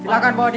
silakan bawa dia